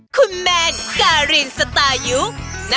กลับมาเลยค่ะ